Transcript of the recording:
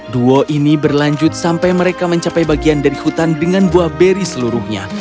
duo ini berlanjut sampai mereka mencapai bagian dari hutan dengan buah beri seluruhnya